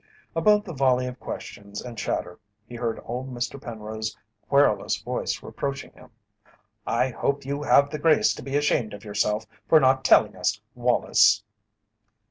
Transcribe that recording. Above the volley of questions and chatter he heard old Mr. Penrose's querulous voice reproaching him: "I hope you have the grace to be ashamed of yourself for not telling us, Wallace!"